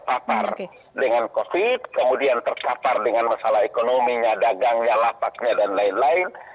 bapak presiden tidak mau bahwa rakyat ini akan terpapar dengan covid kemudian terkapar dengan masalah ekonominya dagangnya lapaknya dan lain lain